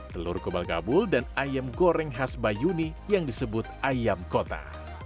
telur kubal gabul dan ayam goreng khas bayuni yang disebut ayam kota